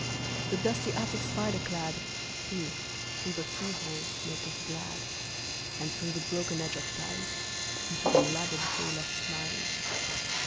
The dusty attic spider cladHe, through the keyhole, maketh glad; And through the broken edge of tiles, Into the laddered hay loft smiles.